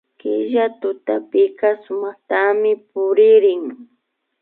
Killa tutapika sumaktami puririn